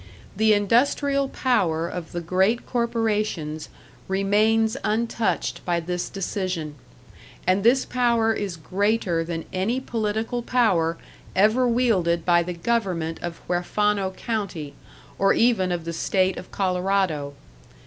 The industrial power of the great corporations remains untouched by this decision; and this power is greater than any political power ever wielded by the government of Huerfano County, or even of the state of Colorado.